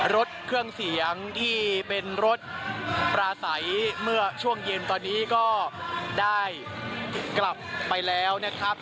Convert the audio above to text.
รถเครื่องเสียงที่เป็นรถปลาใสเมื่อช่วงเย็นตอนนี้ก็ได้กลับไปแล้วนะครับ